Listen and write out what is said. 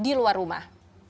di luar rumah